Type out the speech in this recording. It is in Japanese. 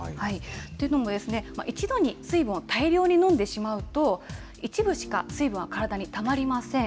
っていうのも、一度に水分を大量に飲んでしまうと、一部しか水分は体にたまりません。